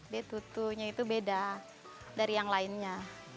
betutunya itu beda dari yang lainnya